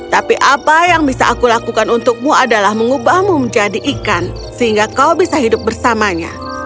tapi apa yang bisa aku lakukan untukmu adalah mengubahmu menjadi ikan sehingga kau bisa hidup bersamanya